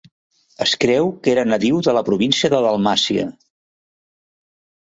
Es creu que era nadiu de la província de Dalmàcia.